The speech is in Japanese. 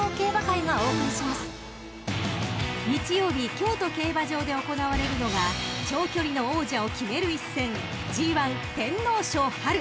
京都競馬場で行われるのが長距離の王者を決める一戦ＧⅠ天皇賞］